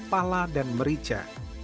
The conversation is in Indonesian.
pala dan merica